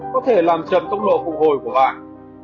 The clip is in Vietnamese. có thể làm chậm tốc độ phục hồi của bạn